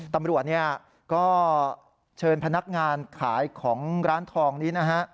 ตำรวจก็เชิญพนักงานขายของร้านทองนี้นะฮะ